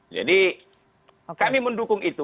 jadi kami mendukung itu